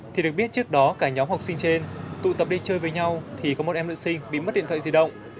thì được biết trước đó cả nhóm học sinh trên tụ tập đi chơi với nhau thì có một em nữ sinh bị mất điện thoại di động